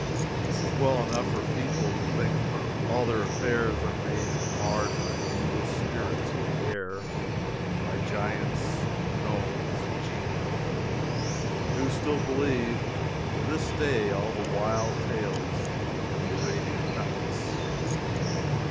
This is well enough for a people who think all their affairs are made or marred by viewless spirits of the air by giants, gnomes, and genii and who still believe, to this day, all the wild tales in the Arabian Nights.